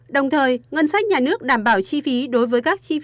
đồng thời ngân sách nhà nước đảm bảo chi phí